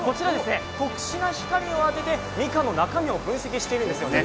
特殊な光を当ててみかんの中身を分析しているんですよね。